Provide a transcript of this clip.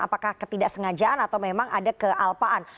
apakah ketidaksengajaan atau memang ada kealpaan